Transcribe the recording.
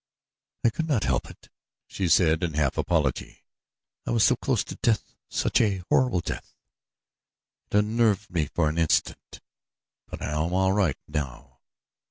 "I could not help it," she said, in half apology. "I was so close to death such a horrible death it unnerved me for an instant; but I am all right now.